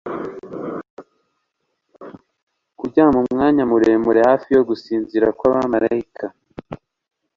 Kuryama umwanya muremure hafi yo gusinzira kwabamarayika